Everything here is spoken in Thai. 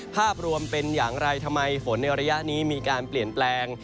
ภาพรวมเป็นอย่างไรทำไมฝนในระยะนี้มีการเปลี่ยนแปลง